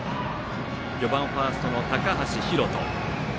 ４番ファーストの高橋海翔。